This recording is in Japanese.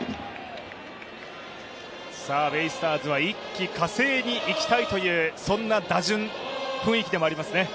ベイスターズは一気呵成にいきたいという、そんな打順、そういう雰囲気でもありますね。